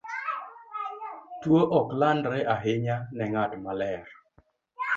Tuwo ok landre ahinya ne ng'at maler.